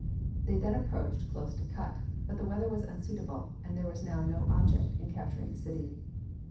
They then approached close to Kut, but the weather was unsuitable, and there was now no object in capturing the city.